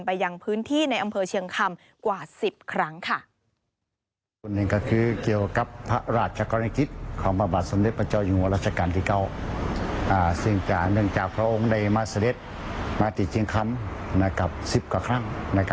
ยังพื้นที่ในอำเภอเชียงคำกว่า๑๐ครั้งค่ะ